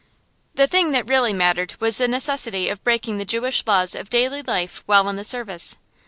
The thing that really mattered was the necessity of breaking the Jewish laws of daily life while in the service.